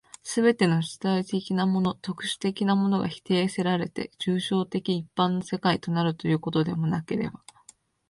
すべての主体的なもの、特殊的なものが否定せられて、抽象的一般の世界となるということでもなければ、